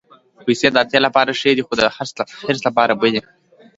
پېسې د اړتیا لپاره ښې دي، خو د حرص لپاره بدې.